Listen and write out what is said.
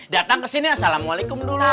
datang ke sini assalamualaikum dulu